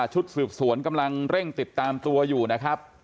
ชุดสืบสวนกำลังเร่งติดตามตัวอยู่นะครับ